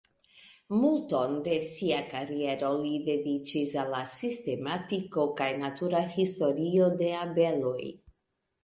Multon de sia kariero li dediĉis al la sistematiko kaj natura historio de abeloj.